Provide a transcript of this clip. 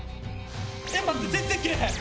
えっ待って全然切れへん。